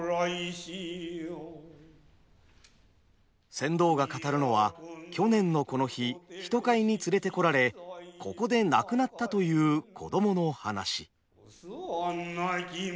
船頭が語るのは去年のこの日人買いに連れてこられここで亡くなったという子どもの話。